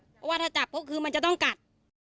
เพราะว่าถ้าจับพวกน้องมันจะต้องกัด